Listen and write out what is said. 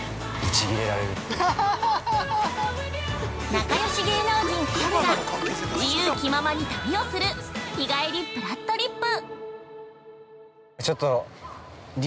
◆仲よし芸能人２人が自由気ままに旅をする「日帰りぷらっとりっぷ」